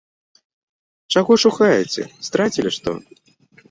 Чаго шукаеце, страцілі што?